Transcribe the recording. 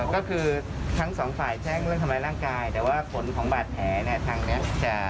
ก็คือทั้งสองฝ่ายแจ้งเรื่องทำร้ายร่างกายแต่ว่าผลของบาดแผลเนี่ยทางนี้จะ